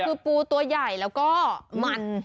คือปูตัวใหญ่แล้วก็มัน